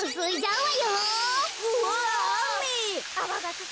うわ！